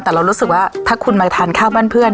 แต่เรารู้สึกว่าถ้าคุณมาทานข้าวบ้านเพื่อน